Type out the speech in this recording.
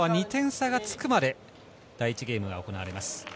この後は２点差がつくまで第１ゲームが行われます。